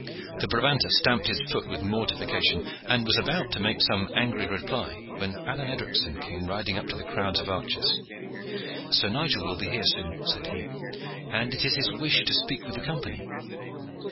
The Brabanter stamped his foot with mortification, and was about to make some angry reply, when Alleyne Edricson came riding up to the crowds of archers. "Sir Nigel will be here anon," said he, "and it is his wish to speak with the Company."